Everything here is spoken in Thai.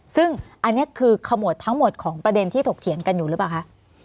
ซึ่งอันนี้คือขมวดทั้งหมดของประเด็นที่ถกเถียงกันอยู่หรือเปล่าคะ